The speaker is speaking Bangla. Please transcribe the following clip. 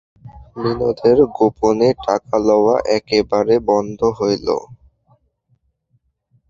বিনোদের গোপনে টাকা লওয়া একেবারে বন্ধ হইল।